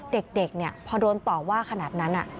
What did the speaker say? เด็กเนี่ยพอโดนต่อว่าขนาดนั้น